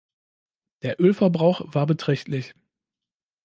Der Ölverbrauch war beträchtlich.